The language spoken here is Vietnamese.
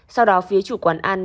sau đó phía chủ quán ăn